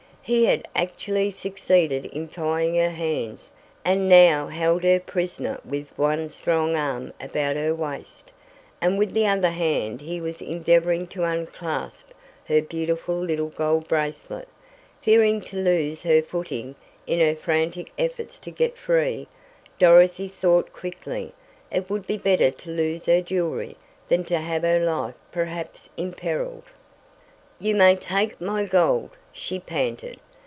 He had actually succeeded in tying her hands and now held her prisoner with one strong arm about her waist, and with the other hand he was endeavoring to unclasp her beautiful little gold bracelet. Fearing to lose her footing, in her frantic efforts to get free, Dorothy thought quickly. It would be better to lose her jewelry, than to have her life perhaps imperiled. "You may take my gold," she panted.